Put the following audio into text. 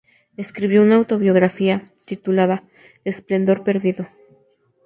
Escribió una autobiografía, titulada "Esplendor perdido".